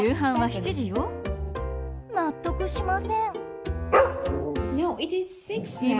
納得しません。